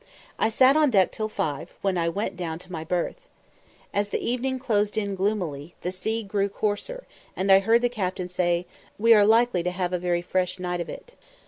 I sat on deck till five, when I went down to my berth. As the evening closed in gloomily, the sea grew coarser, and I heard the captain say, "We are likely to have a very fresh night of it."